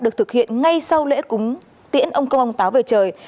được thực hiện ngay sau lễ cúng tiễn ông công ông táo về trời